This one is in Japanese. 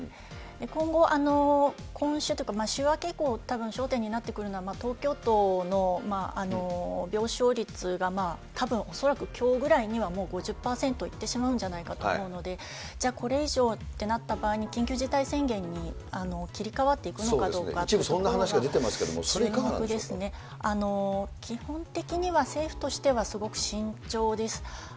今後、今週というか週明け以降、たぶん焦点になってくるのは、東京都の病床率がたぶん、恐らくきょうぐらいには５０％いってしまうんじゃないかと思うので、じゃあ、これ以上ってなった場合に緊急事態宣言に切り替わっていくのかど一部そんな話が出てますけど基本的には、政府としてはすごく慎重です。